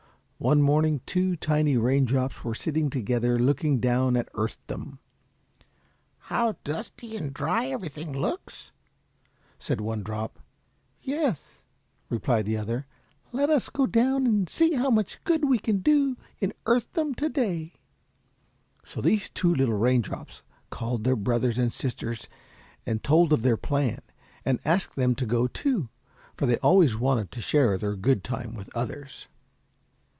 One morning two tiny raindrops were sitting together looking down at Earthdom. "How dusty and hot everything looks," said one drop. "Yes," replied the other, "let us go down and see how much good we can do in Earthdom to day." So these two little raindrops called their brothers and sisters and told of their plan, and asked them to go, too, for they always wanted to share their good time with others.